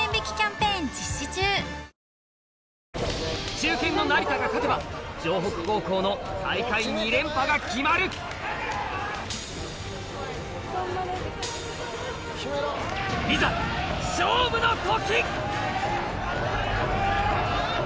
中堅の成田が勝てば城北高校の大会２連覇が決まるいざ勝負の時！